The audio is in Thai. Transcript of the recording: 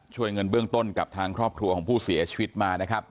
ช่วยเงินเบื้องต้นกับทางครอบครัวของผู้เสียชีวิตมานะครับ